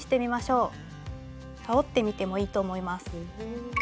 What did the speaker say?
羽織ってみてもいいと思います。